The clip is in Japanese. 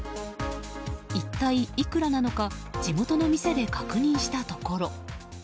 一体いくらなのか地元の店で確認したところ。